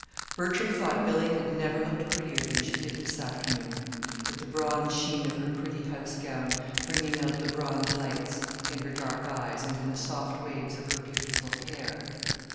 Bertram thought Billy had never looked prettier than she did this afternoon with the bronze sheen of her pretty house gown bringing out the bronze lights in her dark eyes and in the soft waves of her beautiful hair.